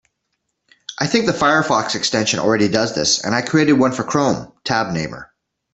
I think the Firefox extension already does this, and I created one for Chrome, Tab Namer.